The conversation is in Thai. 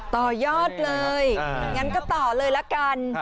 ต่อยอดเลยงั้นก็ต่อเลยละกัน